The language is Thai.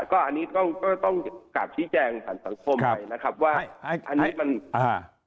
ก็อันนี้ก็ต้องกลับชี้แจงภาพสังคมใหม่นะครับ